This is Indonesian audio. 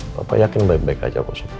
papa yakin baik baik aja aku supaya ya